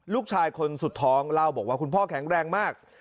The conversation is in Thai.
ลูกชายคนสุดท้องเล่าบอกว่าคุณพ่อแข็งแรงมาก